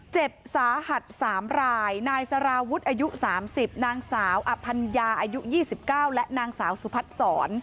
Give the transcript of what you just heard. เจ็บสาหัส๓รายนายสารวุฒิอายุ๓๐นางสาวอภัญญาอายุ๒๙และนางสาวสุพัฒนศร